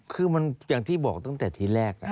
คือมันอย่างที่บอกตั้งแต่ทีแรก